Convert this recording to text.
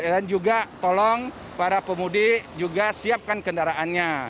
dan juga tolong para pemudik juga siapkan kendaraannya